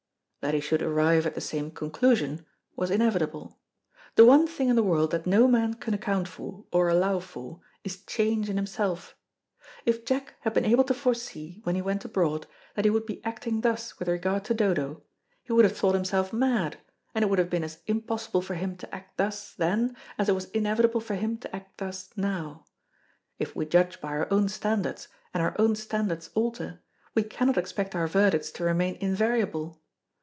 That he should arrive at the same conclusion was inevitable. The one thing in the world that no man can account for, or allow for, is change in himself. If Jack had been able to foresee, when he went abroad, that he would be acting thus with regard to Dodo, he would have thought himself mad, and it would have been as impossible for him to act thus then, as it was inevitable for him to act thus now. If we judge by our own standards, and our own standards alter, we cannot expect our verdicts to remain invariable.